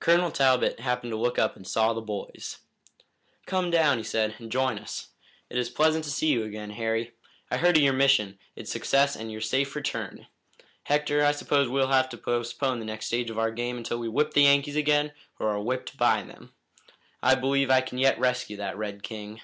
Colonel Talbot happened to look up and saw the boys. "Come down," he said, "and join us. It is pleasant to see you again, Harry. I heard of your mission, its success and your safe return. Hector, I suppose we'll have to postpone the next stage of our game until we whip the Yankees again or are whipped by them. I believe I can yet rescue that red king."